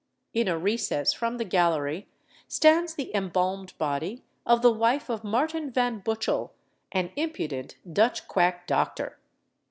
In a recess from the gallery stands the embalmed body of the wife of Martin Van Butchell, an impudent Dutch quack doctor.